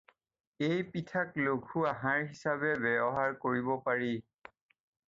এই পিঠাক লঘু আহাৰ হিচাপে ব্যবহাৰ কৰিব পাৰি।